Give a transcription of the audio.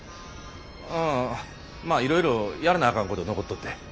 うんまあいろいろやらなあかんこと残っとって。